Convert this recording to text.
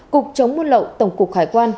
cục chống muôn lậu tổng cục hải quan